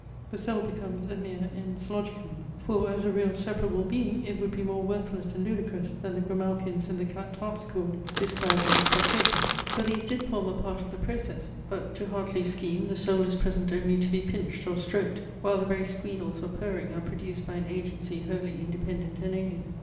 The soul becomes a mere ens logicum; for, as a real separable being, it would be more worthless and ludicrous than the Grimalkins in the cat harpsichord, described in the Spectator. For these did form a part of the process; but, to Hartley's scheme, the soul is present only to be pinched or stroked, while the very squeals or purring are produced by an agency wholly independent and alien.